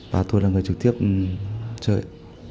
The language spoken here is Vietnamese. và tôi là người trực tiếp chơi